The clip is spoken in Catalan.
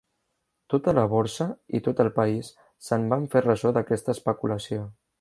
Tota la borsa, i tot el país, se'n van fer ressò d'aquesta especulació.